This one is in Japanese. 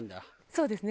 そうですね。